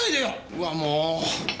うわもう。